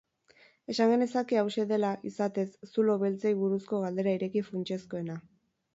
Esan genezake hauxe dela, izatez, zulo beltzei buruzko galdera ireki funtsezkoena.